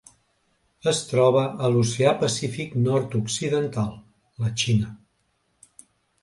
Es troba a l'Oceà Pacífic nord-occidental: la Xina.